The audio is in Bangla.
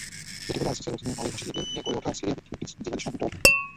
এটি হলো আইসিসের অধীনে মালয়ভাষীদের নিয়ে গড়ে ওঠা সিরিয়াভিত্তিক একটি জিহাদি নেটওয়ার্ক।